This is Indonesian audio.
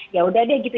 ya udah deh gitu